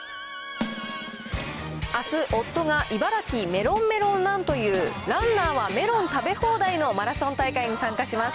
あす、夫が茨城メロンメロンランという、ランナーはメロン食べ放題のマラソン大会に参加します。